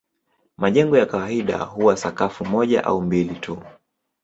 Majengo ya kawaida huwa sakafu moja au mbili tu.